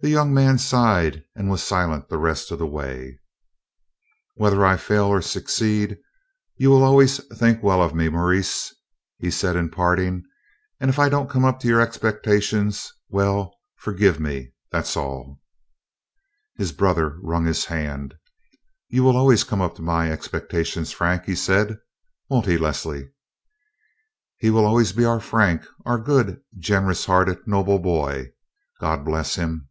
The young man sighed and was silent the rest of the way. "Whether I fail or succeed, you will always think well of me, Maurice?" he said in parting; "and if I don't come up to your expectations, well forgive me that 's all." His brother wrung his hand. "You will always come up to my expectations, Frank," he said. "Won't he, Leslie?" "He will always be our Frank, our good, generous hearted, noble boy. God bless him!"